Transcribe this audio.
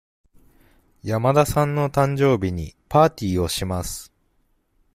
山田さんの誕生日にパーティーをします。